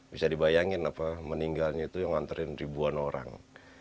bisa dibayangin apa meninggalnya itu yang nganterin ribuan orang